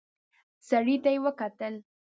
سړي ته يې وکتل.